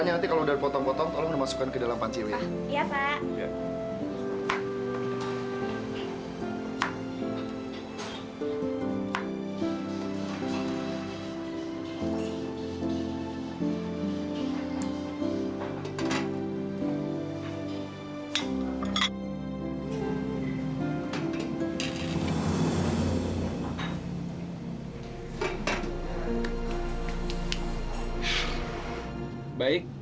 nanti kalau udah potong potong tolong dimasukkan ke dalam panciw ya